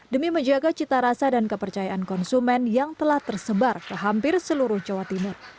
demi menjaga cita rasa dan kepercayaan konsumen yang telah tersebar ke hampir seluruh jawa timur